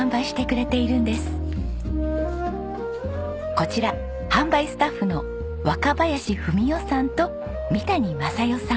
こちら販売スタッフの若林文与さんと三谷昌世さん。